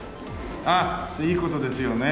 「あっいい事ですよね」